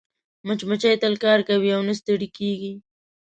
مچمچۍ تل کار کوي او نه ستړې کېږي